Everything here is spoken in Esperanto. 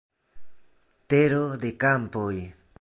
Tero de Kampoj.